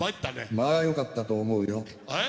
まあよかったと思うよ。